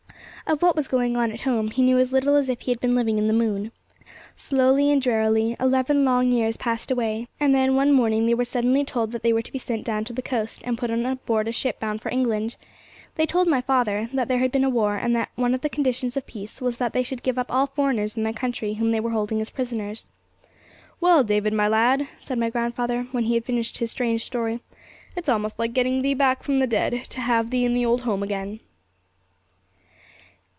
Of what was going on at home he knew as little as if he had been living in the moon. Slowly and drearily eleven long years passed away, and then, one morning, they were suddenly told that they were to be sent down to the coast, and put on board a ship bound for England. They told my father that there had been a war, and that one of the conditions of peace was, that they should give up all the foreigners in their country whom they were holding as prisoners. 'Well, David, my lad,' said my grandfather, when he had finished his strange story, 'it's almost like getting thee back from the dead, to have thee in the old home again!'